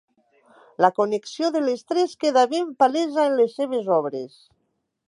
La connexió de les tres queda ben palesa en les seves obres.